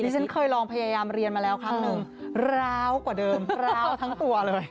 ฉันเคยลองพยายามเรียนมาแล้วครั้งหนึ่งร้าวกว่าเดิมพร้าวทั้งตัวเลย